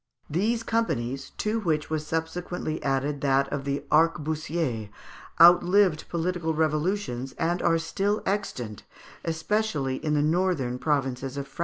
These companies, to which was subsequently added that of the arquebusiers, outlived political revolutions, and are still extant, especially in the northern provinces of France.